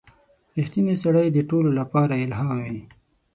• رښتینی سړی د ټولو لپاره الهام وي.